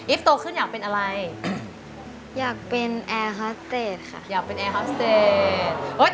โตขึ้นอยากเป็นอะไรอยากเป็นแอร์ฮอสเตจค่ะอยากเป็นแอร์ฮอสเตจ